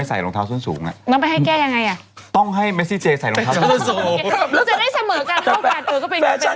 ใส่ลองเท้าส้นสูงหรือเปล่า